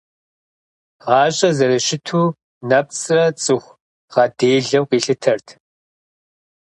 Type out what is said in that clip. Гъащӏэр зэрыщыту нэпцӏрэ цӏыху гъэделэу къилъытэрт.